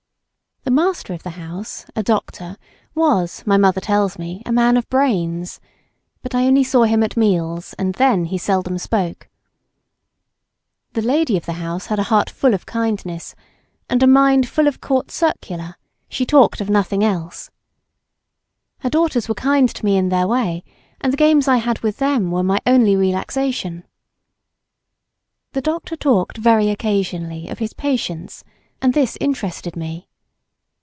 The master of the house, a doctor, was, my mother tells me, a man of brains, but I only saw him at meals and then he seldom spoke. The lady of the house had a heart full of kindness, and a mind full of court circular, she talked of nothing else. Her daughters were kind to me in their way, and the games I had with them were my only relaxation. The doctor talked very occasionally of his patients, and this interested me.